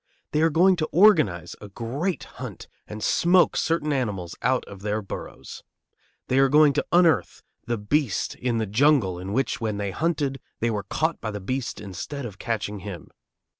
They are going to organize a great hunt, and smoke certain animals out of their burrows. They are going to unearth the beast in the jungle in which when they hunted they were caught by the beast instead of catching him.